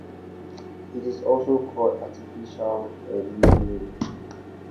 It is also called artificial vermillion.